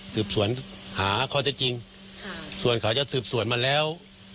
สืบสวนหาข้อเท็จจริงส่วนเขาจะสืบสวนมาแล้ว